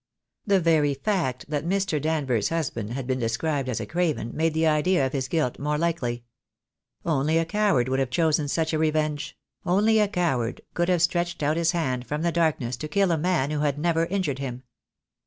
The very fact that Mr. Danvers' husband had been described as a craven, made the idea of his guilt more likely. Only a coward would have chosen such a re venge; only a coward could have stretched out his hand from the darkness to kill a man who had never injured him.